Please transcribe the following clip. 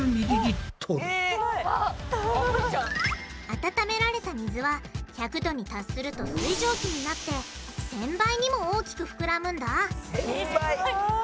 温められた水は１００℃に達すると水蒸気になって１，０００倍にも大きく膨らむんだ１，０００倍。